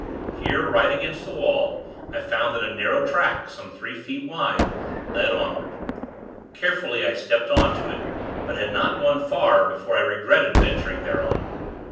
Here, right against the wall, I found that a narrow track, some three feet wide, led onward. Carefully, I stepped on to it; but had not gone far, before I regretted venturing thereon.